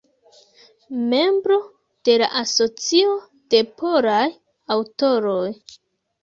Membro de la Asocio de Polaj Aŭtoroj.